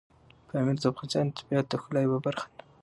پامیر د افغانستان د طبیعت د ښکلا یوه برخه ده.